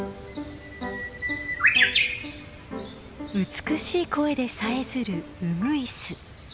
美しい声でさえずるウグイス。